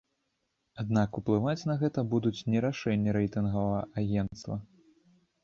Аднак уплываць на гэта будуць не рашэнні рэйтынгавага агенцтва.